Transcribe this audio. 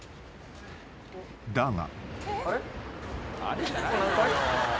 ［だが］